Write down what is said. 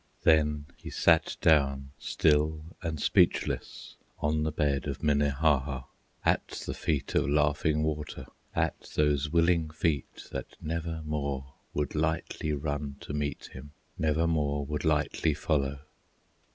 Then he sat down, still and speechless, On the bed of Minnehaha, At the feet of Laughing Water, At those willing feet, that never More would lightly run to meet him, Never more would lightly follow.